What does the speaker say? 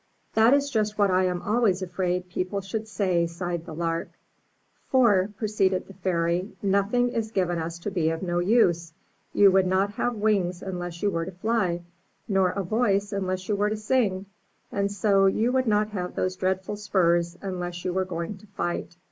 "That is just what I am always afraid people should say," sighed the Lark. "For," proceeded the Fairy, "nothing is given us to be of no use. You would not have wings unless you were to fly, nor a voice unless you were to sing; and so you would not have those dreadful spurs unless you were going to fight.